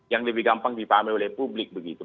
yang lebih gampang dipahami oleh publik begitu